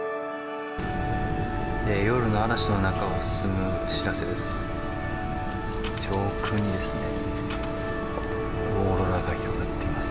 夜の嵐の中を進む「しらせ」です。